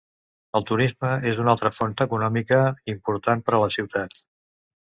El turisme és una altra font econòmica important per a la ciutat.